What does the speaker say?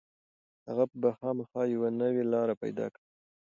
هغه به خامخا یوه نوې لاره پيدا کړي.